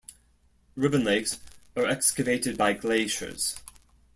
Ribbon lakes are excavated by glaciers.